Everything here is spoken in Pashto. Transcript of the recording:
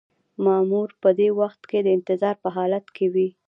مامور په دې وخت کې د انتظار په حالت کې وي.